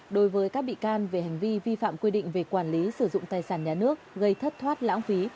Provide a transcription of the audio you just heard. đối với các bị can về hành vi vi phạm quy định về quản lý sử dụng tài sản nhà nước gây thất thoát lãng phí